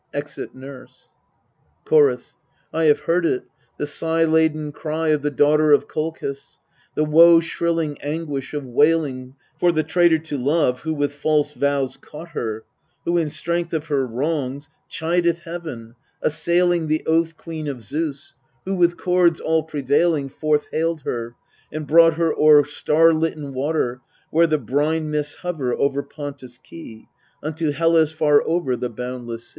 [Exit NURSE. Chorus. I have heard it, the sigh laden cry of the daughter Of Kolchis, the woe shrilling anguish of wailing For the traitor to love who with false vows caught her, Who in strength of her wrongs chideth Heaven, assailing The Oath queen of Zeus, who with cords all prevailing Forth haled her, and brought her o'er star litten water, Where the brine mists hover o'er Pontus' Key, Unto Hellas far over the boundless sea.